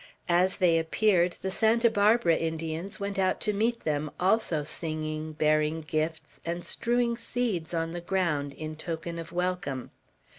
As they appeared, the Santa Barbara Indians went out to meet them, also singing, bearing gifts, and strewing seeds on the ground, in token of welcome.